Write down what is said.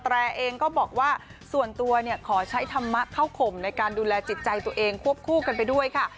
แรร์เองก็บอกว่าส่วนตัวขอใช้ธรรมะเข้าข่มในการดูแลจิตใจตัวเองควบคู่กันไปด้วยค่ะ